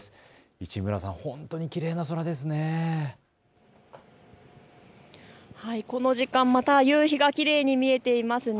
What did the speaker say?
市村さん、きれいな空ですね。